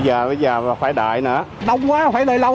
xin chào và hẹn gặp lại